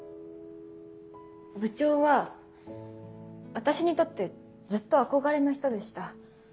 部長は私にとってずっと憧れの人でした。